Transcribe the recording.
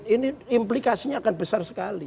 ini implikasinya akan besar sekali